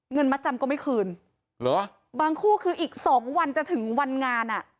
เงินมัดจำก็ไม่คืนบางคู่คืออีก๒วันจะถึงวันงาน